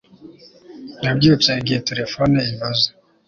Nabyutse igihe terefone ivuze